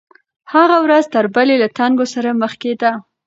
هغه ورځ تر بلې له تنګو سره مخ کېده.